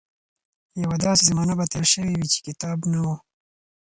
يوه داسې زمانه به تېره شوې وي چې کتاب نه و.